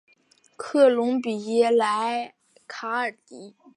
科隆比耶莱卡尔迪纳。